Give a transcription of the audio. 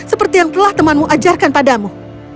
seperti yang telah temanmu ajarkan padamu